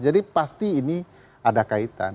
jadi pasti ini ada kaitan